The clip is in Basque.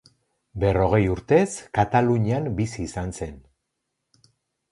Berrogei urtez Katalunian bizi izan zen.